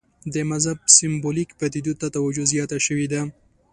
د مذهب سېمبولیکو پدیدو ته توجه زیاته شوې ده.